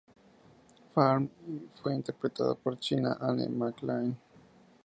Farm" y fue interpretada por China Anne McClain.